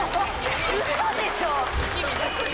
ウソでしょ？